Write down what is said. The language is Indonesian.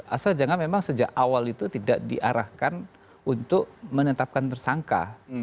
asal jangan memang sejak awal itu tidak diarahkan untuk menetapkan tersangka